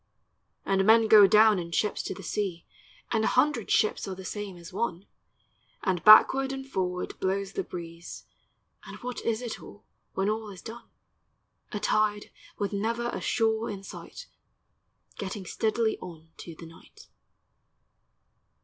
And men go down in ships to the seas, And a hundred ships are the same as one; And backward and forward blows the breeze, And what is it all, when all is done? A tide with never a shore in sight Getting steadily on to the night.